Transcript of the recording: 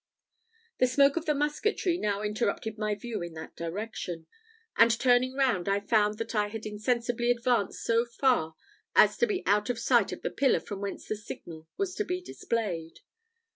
The smoke of the musketry now interrupted my view in that direction; and turning round, I found that I had insensibly advanced so far as to be out of sight of the pillar from whence the signal was to be displayed.